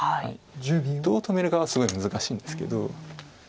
どう止めるかがすごい難しいんですけど。